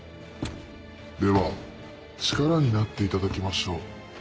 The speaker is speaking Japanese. では力になっていただきましょう。